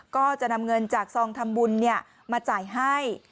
ก็จะนำเงินจากซองทำบุญมาจ่ายให้